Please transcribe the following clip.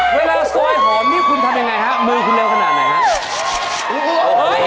เวลาซอยหอมนี่คุณทำยังไงฮะมือคุณเร็วขนาดไหนครับ